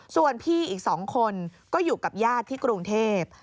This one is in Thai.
ส่วนพี่อีก๒คนก็อยู่กับญาติที่กรุงเทพ